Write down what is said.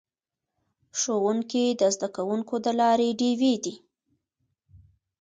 ښوونکي د زده کوونکو د لارې ډیوې دي.